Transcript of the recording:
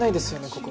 ここ。